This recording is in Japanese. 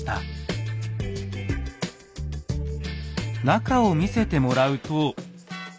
中を見せてもらうと。